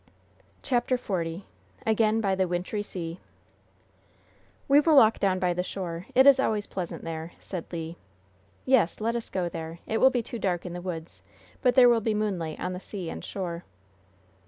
CHAPTER XL AGAIN BY THE WINTRY SEA "We will walk down by the shore; it is always pleasant there," said Le. "Yes, let us go there. It will be too dark in the woods, but there will be moonlight on the sea and shore."